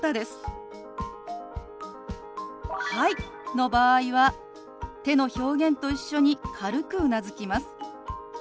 「はい」の場合は手の表現と一緒に軽くうなずきます。